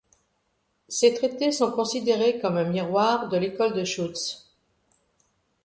Ses traités sont considérés comme un miroir de l'école de Schütz.